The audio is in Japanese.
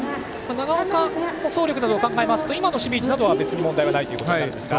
長岡、走力などを考えますと今の守備位置などは別に問題ないということですか。